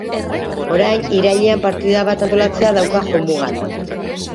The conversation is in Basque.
Orain, irailean partida bat antolatzea dauka jomugan.